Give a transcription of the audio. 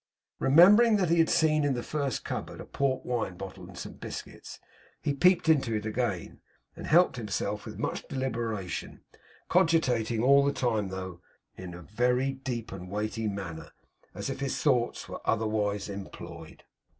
Remembering that he had seen in the first cupboard a port wine bottle and some biscuits, he peeped into it again, and helped himself with much deliberation; cogitating all the time though, in a very deep and weighty manner, as if his thoughts were otherwise employed.